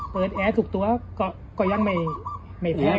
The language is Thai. เปิดแอร์ถูกตัวก็ยังไม่แพง